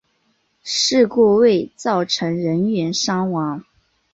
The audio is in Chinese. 事故未造成人员伤亡。